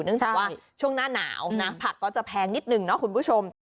เพราะฉะนั้นว่าช่วงหน้าหนาวผักก็จะแพงนิดนึงนะคุณผู้ชม